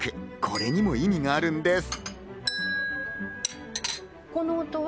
これにも意味があるんです。